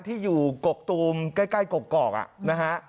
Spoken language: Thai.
ที่อยู่กกตูมใกล้กอกนะฮะ